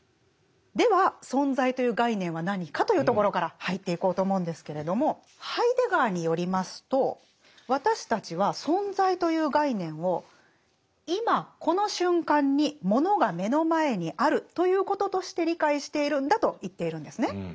では「存在」という概念は何かというところから入っていこうと思うんですけれどもハイデガーによりますと私たちは「存在」という概念を「いまこの瞬間にモノが目の前にある」ということとして理解しているんだと言っているんですね。